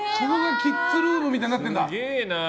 キッズルームみたいになってるんだ。